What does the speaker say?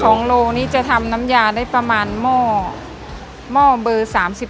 สองโลนี่จะทำน้ำยาได้ประมาณมอบเบอร์๓๖๔๐